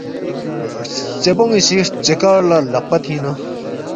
ہرژے پونی سی ہرژے کار لا لقپہ تھینگنہ